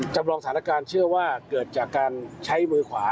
จำลองสถานการณ์เชื่อว่าเกิดจากการใช้มือขวา